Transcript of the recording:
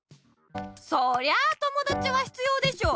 そりゃあともだちは必要でしょ！